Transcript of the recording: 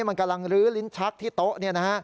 มันกำลังลื้อลิ้นชักที่โต๊ะเนี่ยนะฮะ